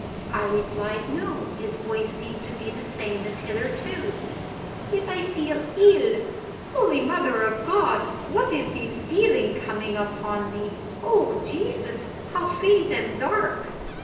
I replied, No; his voice seemed to be the same as hitherto. "Yet I feel ill. Holy Mother of God, what is this feeling coming upon me? O Jesus, how faint and dark!"